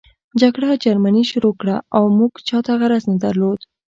جګړه جرمني شروع کړه او موږ چاته غرض نه درلود